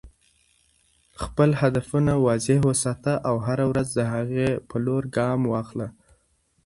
خپل هدفونه واضح وساته او هره ورځ د هغې په لور ګام واخله.